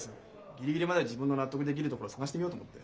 ギリギリまで自分の納得できる所探してみようと思って。